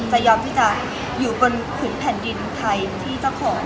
จะยอมที่จะอยู่บนผืนแผ่นดินไทยที่เจ้าของ